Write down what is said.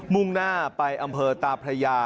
มุ่งหน้าไปอำเภอตาพระยา